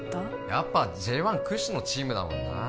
やっぱＪ１屈指のチームだもんなあ